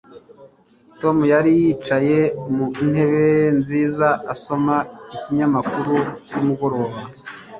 tom yari yicaye mu ntebe nziza, asoma ikinyamakuru nimugoroba